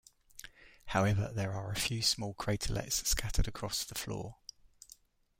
However, there are a few small craterlets scattered across the floor.